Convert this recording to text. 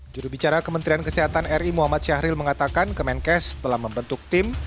jurubicara kementerian kesehatan ri muhammad syahril mengatakan kemenkes telah membentuk tim